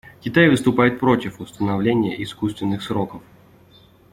Китай выступает против установления искусственных сроков.